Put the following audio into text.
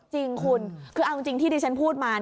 จริงคุณคือเอาจริงที่ดิฉันพูดมา